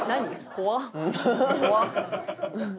怖っ！